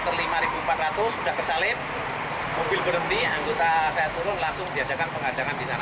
pertama di kilometer lima ratus empat puluh sudah kesalip mobil berhenti anggota saya turun langsung diajarkan pengajangan di sana